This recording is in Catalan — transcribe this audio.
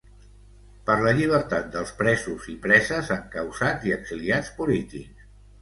Per la llibertat dels presos i preses, encausats i exiliats polítics.